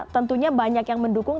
tentunya banyak yang mendukung